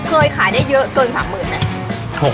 เคยขายได้เยอะเกิน๓๐๐๐ไหม